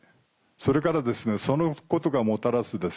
それからそのことがもたらす